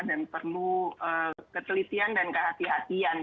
dan perlu ketelitian dan kehati hatian